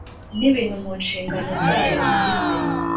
N ibintu mu nshingano zayo ugize